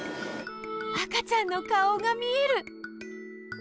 赤ちゃんの顔が見える！